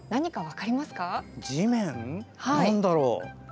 何だろう。